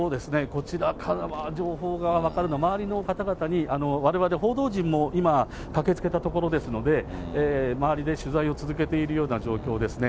こちらからは、情報が分かるのは、周りの方々に、われわれ報道陣も、今、駆けつけたところですので、周りで取材を続けているような状況ですね。